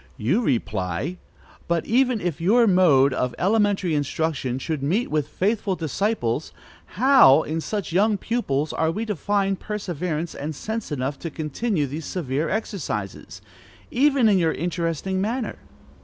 You reply: "But even if your mode of elementary instruction should meet with faithful disciples, how, in such young pupils, are we to find perseverance and sense enough to continue these severe exercises, even in your interesting manner?"